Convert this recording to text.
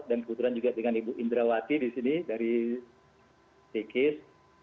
dan kebetulan juga dengan ibu indrawati di sini dari sikis